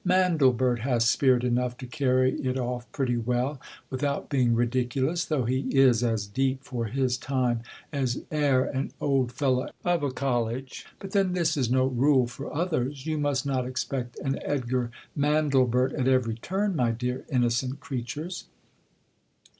Mandlebert has spirit enough to carry it off pretty well, without being ridiculous; though he is as deeps for kis tuae, as e c? an eld fellow of a col lege. But then this is no rule for others. You must not expect an Edgar Mandlebert at every turn, my dear innocent creatures.